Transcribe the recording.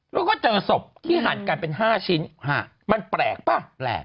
แล้วก็เจอศพที่หั่นกันเป็น๕ชิ้นมันแปลกป่ะแปลก